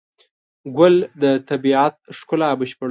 ګل د طبیعت ښکلا بشپړوي.